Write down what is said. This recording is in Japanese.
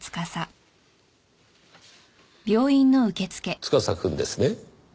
司くんですね？